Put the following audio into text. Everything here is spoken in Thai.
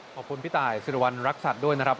ขอบคุณพี่ตายสิรวรรณรักษัตริย์ด้วยนะครับ